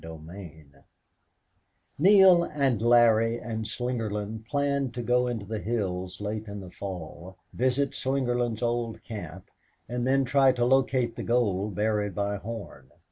17 Neale and Larry and Slingerland planned to go into the hills late in the fall, visit Slingerland's old camp, and then try to locate the gold buried by Horn.